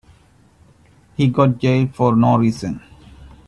He got jailed for no reason.